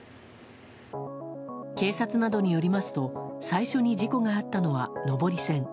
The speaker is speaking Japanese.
警察などによりますと最初に事故があったのは上り線。